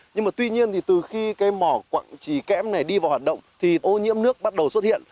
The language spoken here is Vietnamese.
nhưng mà tuy nhiên thì từ khi cái mỏ quặng trì kẽm này đi vào hoạt động thì ô nhiễm nước bắt đầu xuất hiện